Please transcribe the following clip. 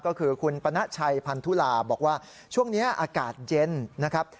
ก็คือคุณปณชัยพันธุลาบอกว่าช่วงนี้อากาศเย็นนะครับ